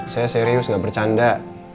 saya serius gak bercanda